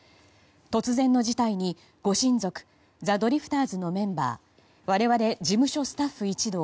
突然の事態に、ご親族ザ・ドリフターズのメンバー我々、事務所スタッフ一同